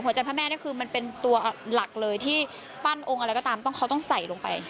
พระเจ้าพระแม่นี่คือมันเป็นตัวหลักเลยที่ปั้นองค์อะไรก็ตามต้องเขาต้องใส่ลงไป